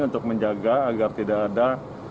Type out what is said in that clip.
untuk menjaga agar tidak ada